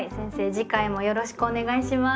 次回もよろしくお願いします。